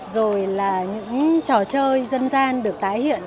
rồi là những trò chơi dân gian được tái hiện